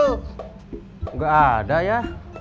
tidak ada ya